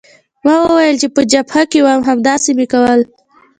ما وویل چې په جبهه کې وم همداسې مې کول.